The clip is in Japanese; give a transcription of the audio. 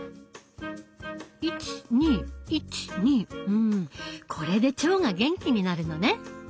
うんこれで腸が元気になるのね。